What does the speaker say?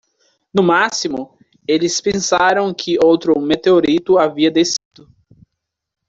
No máximo?, eles pensaram que outro meteorito havia descido.